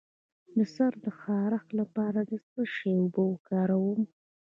د سر د خارښ لپاره د څه شي اوبه وکاروم؟